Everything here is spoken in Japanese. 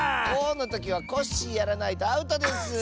「こ」のときはコッシーやらないとアウトです。